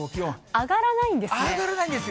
上がらないんですよ。